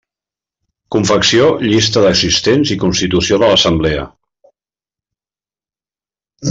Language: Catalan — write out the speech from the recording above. Confecció llista d'assistents i constitució de l'assemblea.